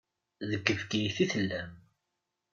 Deg Bgayet i tellam.